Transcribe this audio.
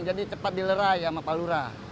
jadi cepat di lerai sama pak lurah